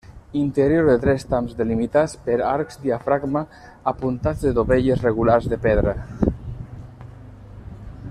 Interior de tres trams delimitats per arcs diafragma apuntats de dovelles regulars de pedra.